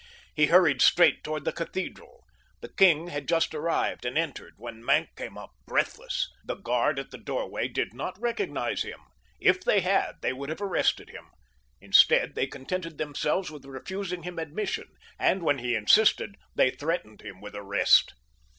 He hurried straight toward the cathedral. The king had just arrived, and entered when Maenck came up, breathless. The guard at the doorway did not recognize him. If they had they would have arrested him. Instead they contented themselves with refusing him admission, and when he insisted they threatened him with arrest.